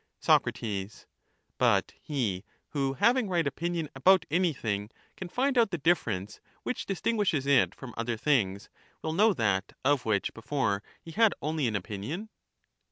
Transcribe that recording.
Soc, But he, who having right opinion about anything, can find out the difference which distinguishes it from other things will know that of which before he had only an opitiion.